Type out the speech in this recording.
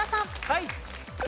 はい。